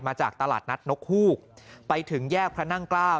มาจากตลาดนัดนกฮูกไปถึงแยกพระนั่งเกล้า